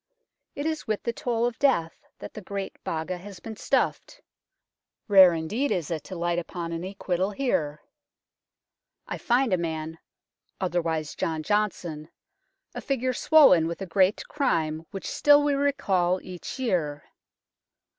It is with the toll of death that the Great Baga has been stuffed. Rare indeed is it to light upon an acquittal here. I find a man " otherwise John Johnston," a figure swollen with a great crime which still we recall each year.